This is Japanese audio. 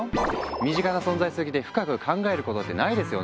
身近な存在すぎて深く考えることってないですよね。